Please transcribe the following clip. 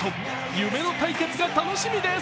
夢の対決が楽しみです。